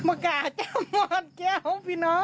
มักกะจะหวัดแก้วพี่น้อง